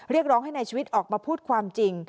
เรียกร้องให้นายชีวิตออกมาพูดความจริง